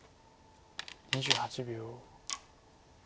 ２８秒。